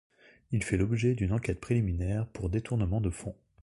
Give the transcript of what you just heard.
Il fait l'objet d'une enquête préliminaire pour détournement de fonds.